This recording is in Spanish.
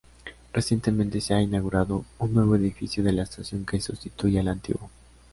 Recientemente se ha inaugurado un nuevo edificio de la estación que sustituye al antiguo.